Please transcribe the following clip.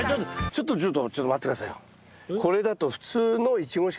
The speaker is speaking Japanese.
ちょっとちょっとちょっと待って下さいよ。